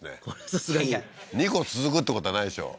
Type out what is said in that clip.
さすがに２個続くってことはないでしょ？